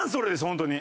本当に。